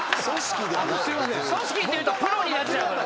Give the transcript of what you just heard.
組織って言うとプロになっちゃうから。